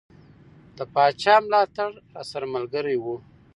د پاچا ملاتړ راسره ملګری وو.